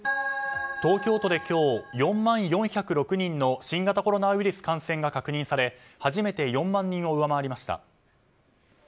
東京都で今日４万４０６人の新型コロナウイルス感染が確認され初めて４万人を上回りました。